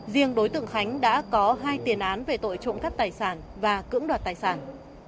riêng đối tượng khánh đã có hai tiền án về tội trộm cắt tài sản và cưỡng đoạt tài sản